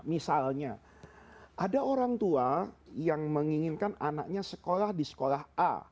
misalnya ada orang tua yang menginginkan anaknya sekolah di sekolah a